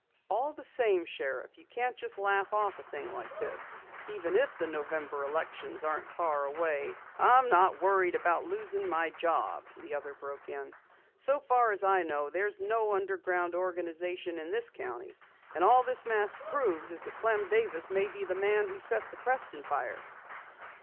"All the same, Sheriff, you can't just laugh off a thing like this. Even if the November elections aren't far away " "I'm not worried about my job," the other broke in. "So far as I know there's no underground organization in this county. All this mask proves is that Clem Davis may be the man who set the Preston fire."